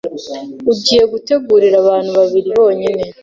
Ugiye gutegurira abantu babiri bonyine